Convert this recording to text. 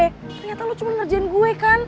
ternyata lo cuma ngerjain gue kan